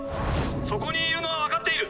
そこにいるのは分かっている。